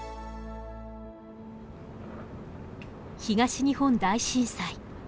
東日本大震災。